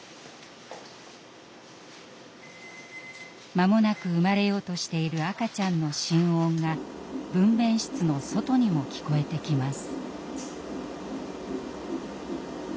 間もなく産まれようとしている赤ちゃんの心音が分娩室の外にも聞こえてきます。